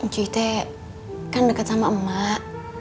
cuy teh kan deket sama emak